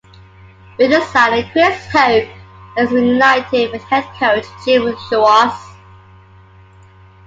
With the signing Chris Hope has reunited with head coach Jim Schwartz.